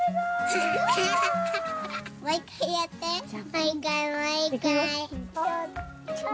もう一回もう一回。